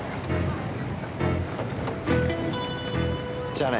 じゃあね。